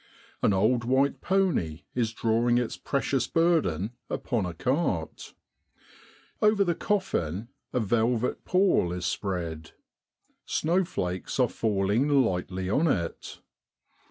An old white pony is drawing its precious burden upon a cart. Over the coffin a velvet pall is spread. Snowflakes are falling lightly on it.